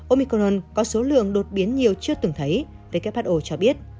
omicron có số lượng đột biến nhiều chưa từng thấy who cho biết